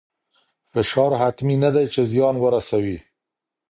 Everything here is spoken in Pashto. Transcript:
فشار حتمي نه دی چې زیان ورسوي.